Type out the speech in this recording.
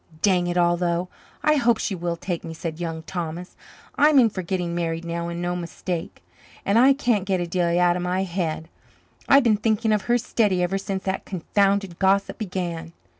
"Dang it all, though, I hope she will take me," said Young Thomas. "I'm in for getting married now and no mistake. And I can't get Adelia out of my head. I've been thinking of her steady ever since that confounded gossip began."